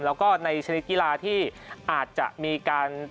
แล้วก็ในชนิดกีฬาที่อาจจะมีการ